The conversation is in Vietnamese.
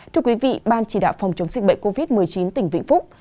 thưa quý vị ban chỉ đạo phòng chống dịch bệnh covid một mươi chín tỉnh vĩnh phúc